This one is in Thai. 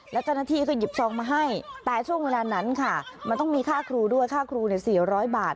แล้วเจ้าหน้าที่ก็หยิบซองมาให้แต่ช่วงเวลานั้นค่ะมันต้องมีค่าครูด้วยค่าครู๔๐๐บาท